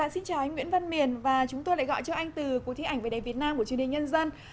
xin chào anh nguyễn văn miền và chúng tôi lại gọi cho anh từ cuộc thi ảnh về đẹp việt nam của truyền hình nhân dân